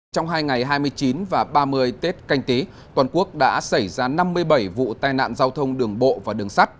trong hai ngày hai mươi chín và ba mươi tết canh tí toàn quốc đã xảy ra năm mươi bảy vụ tai nạn giao thông đường bộ và đường sắt